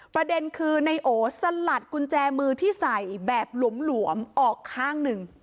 ประเด็นคือนายโอสลัดกุญแจมือที่ใส่แบบหลวมออกข้างหนึ่ง